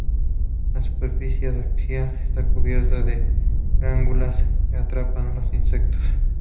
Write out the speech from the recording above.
La superficie adaxial está cubierta de glándulas que atrapa los de insectos.